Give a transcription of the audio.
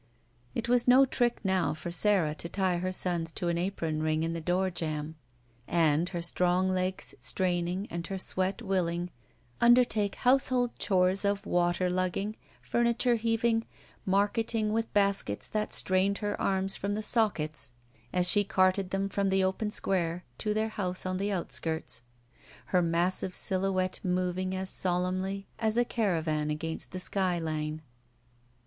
It was no trick now for Sara to tie her sons to an iron ring in the door jamb and, her strong legs straining and her sweat willing, undertake household chores of water lugging, furniture heaving, marketing with baskets that strained her arms from the sockets as she carted them from the open square to their house on the outskirts, her massive silhouette moving as solemnly as a caravan against the sky line.